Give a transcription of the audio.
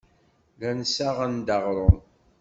Llan ssaɣen-d aɣrum.